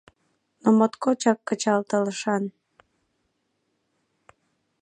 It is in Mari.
Но моткочак кычалтылшан.